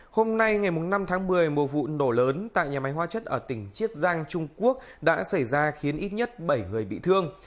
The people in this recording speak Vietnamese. hôm nay ngày năm tháng một mươi một vụ nổ lớn tại nhà máy hóa chất ở tỉnh chiết giang trung quốc đã xảy ra khiến ít nhất bảy người bị thương